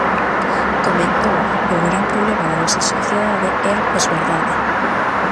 Comentou que o gran problema da nosa sociedade é a posverdade.